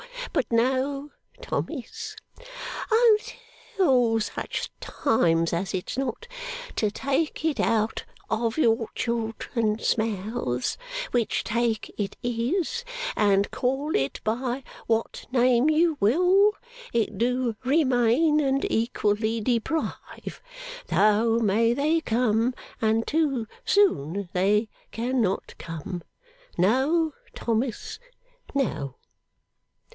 But no, Thomas. Until such times as it's not to take it out of your children's mouths, which take it is, and call it by what name you will it do remain and equally deprive, though may they come, and too soon they can not come, no Thomas, no!